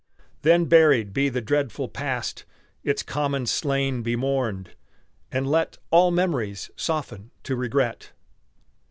Then buried be the dreadful past, Its common slain be mourned, and let All memories soften to regret.